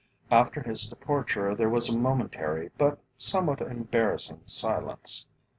After his departure there was a momentary, but somewhat embarrassing, silence.